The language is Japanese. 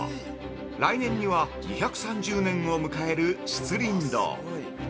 来年には２３０年を迎える漆琳堂。